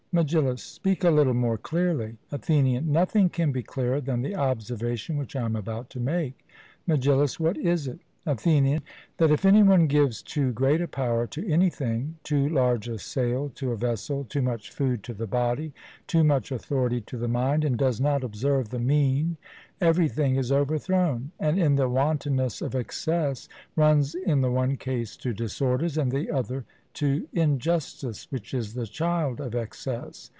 MEGILLUS: Speak a little more clearly. ATHENIAN: Nothing can be clearer than the observation which I am about to make. MEGILLUS: What is it? ATHENIAN: That if any one gives too great a power to anything, too large a sail to a vessel, too much food to the body, too much authority to the mind, and does not observe the mean, everything is overthrown, and, in the wantonness of excess, runs in the one case to disorders, and in the other to injustice, which is the child of excess.